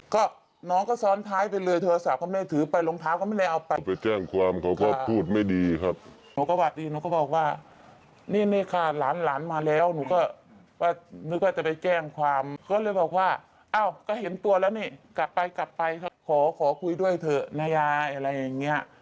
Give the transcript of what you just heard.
ขอคุยด้วยเถอะนายาอะไรอย่างนี้